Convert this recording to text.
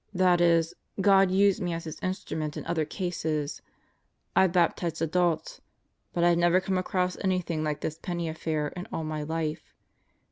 That is, God used me as His instrument in other cases. I've baptized adults. But I've never come across anything like this Penney affair in all my life.